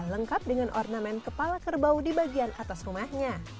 lengkap dengan ornamen kepala kerbau di bagian atas rumahnya